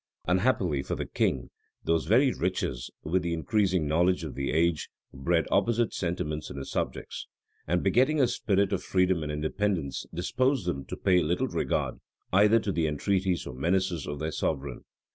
Unhappily for the king, those very riches, with the increasing knowledge of the age, bred opposite sentiments in his subjects; and, begetting a spirit of freedom and independence, disposed them to pay little regard either to the entreaties or menaces of their sovereign.